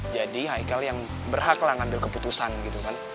jadi haikal yang berhak lah ngambil keputusan gitu kan